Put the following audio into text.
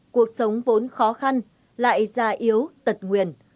cuộc sống vốn khó khăn lại già yếu tật nguyền